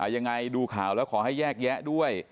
ยังไงดูข่าวแล้วขอให้แยกแยะด้วย